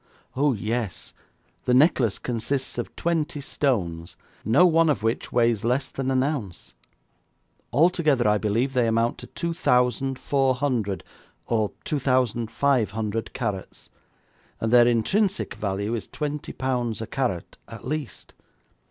'Oh, yes; the necklace consists of twenty stones, no one of which weighs less than an ounce. Altogether, I believe, they amount to two thousand four hundred or two thousand five hundred carats, and their intrinsic value is twenty pounds a carat at least.